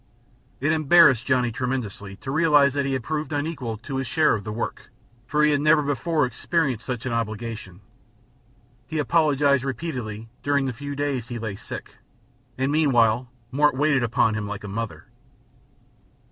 It embarrassed Johnny tremendously to realize that he had proved unequal to his share of the work, for he had never before experienced such an obligation. He apologized repeatedly during the few days he lay sick, and meanwhile Mort waited upon him like a mother.